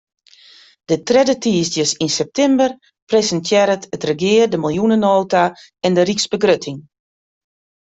De tredde tiisdeis yn septimber presintearret it regear de miljoenenota en de ryksbegrutting.